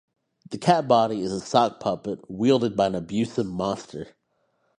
The cat body is a sock puppet wielded by an abusive monster.